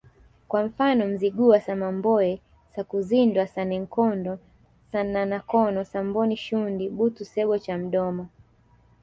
kwa mfano Mzigua Samamboe Sakuzindwa Sannenkondo Sankanakono Samboni Shundi Butu Sebbo Chamdoma